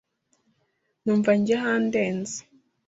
Numva jye handenze